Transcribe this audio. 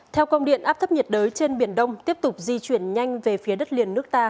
theo công điện áp thấp nhiệt đới trên biển đông tiếp tục di chuyển nhanh về phía đất liền nước ta